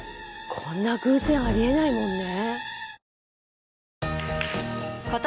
こんな偶然あり得ないもんね。